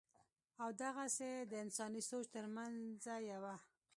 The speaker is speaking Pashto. او دغسې دَانساني سوچ تر مېنځه يوه